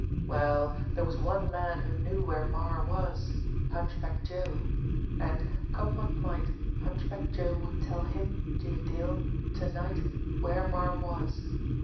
Well, there was one man who knew where Marre was Hunchback Joe. And, come what might, Hunchback Joe would tell him, Jimmie Dale, to night where Marre was!